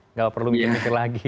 nggak perlu mikir mikir lagi